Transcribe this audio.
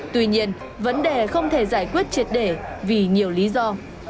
tuy nhiên vấn đề không thể giải quyết triệt để vì nhiều lý do